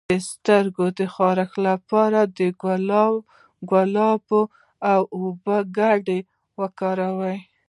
د سترګو د خارښ لپاره د ګلاب او اوبو ګډول وکاروئ